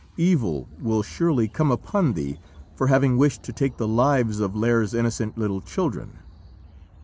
Evil will surely come upon thee for having wished to take the lives of Lîr's innocent little children."